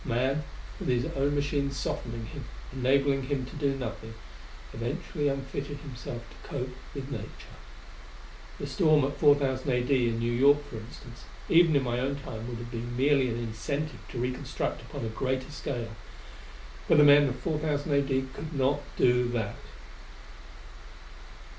Man, with his own machines softening him, enabling him to do nothing, eventually unfitted himself to cope with nature. That storm at 4,000 A.D. in New York, for instance, even in my own Time would have been merely an incentive to reconstruct upon a greater scale. But the men of 4,000 A.D. could not do that....